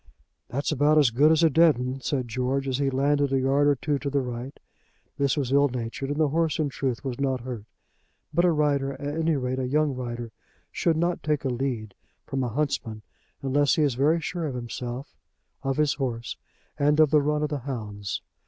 "That's about as good as a dead'un," said George, as he landed a yard or two to the right. This was ill natured, and the horse in truth was not hurt. But a rider, at any rate a young rider, should not take a lead from a huntsman unless he is very sure of himself, of his horse, and of the run of the hounds.